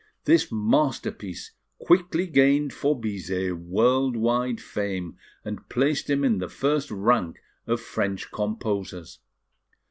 This masterpiece quickly gained for Bizet world wide fame, and placed him in the first rank of French composers.